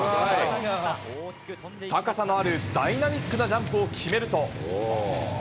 高さのあるダイナミックなジャンプを決めると。